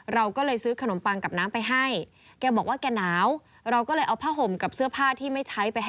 เราก็เลยซื้อขนมปังกับน้ำไปให้